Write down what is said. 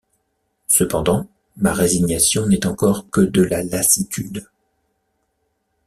Cependant, ma résignation n’est encore que de la lassitude.